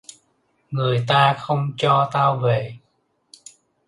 Người ta không cho tao về